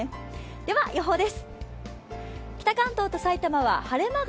では予報です。